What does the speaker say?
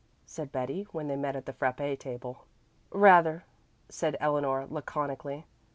said Betty, when they met at the frappé table. "Rather," said Eleanor laconically.